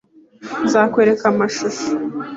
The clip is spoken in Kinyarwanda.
Nzakwereka amashusho.